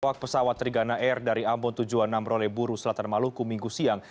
awak pesawat trigana air dari ambon tujuh puluh enam roleburu selatan maluku minggu siang